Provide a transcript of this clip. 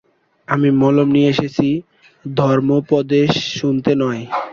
আমি মলম নিতে এসেছি, ধর্মোপদেশ শুনতে নয়।